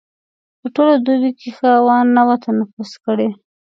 په ټوله دوبي کې ښه هوا نه وه تنفس کړې.